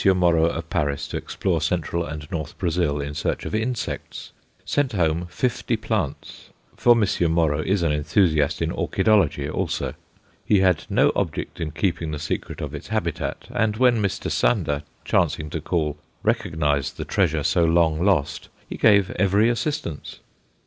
Moreau, of Paris, to explore Central and North Brazil in search of insects, sent home fifty plants for M. Moreau is an enthusiast in orchidology also. He had no object in keeping the secret of its habitat, and when Mr. Sander, chancing to call, recognized the treasure so long lost, he gave every assistance.